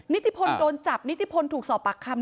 นิติพลโดนจับนิติพลถูกสอบปากคำ